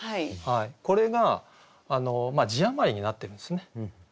これが字余りになってるんですね。